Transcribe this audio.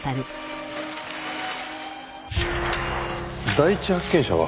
第一発見者は？